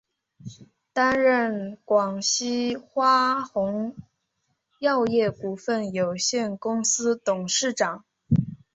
担任广西花红药业股份有限公司董事长。